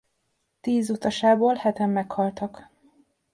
Tíz utasából heten meghaltak.